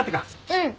うん。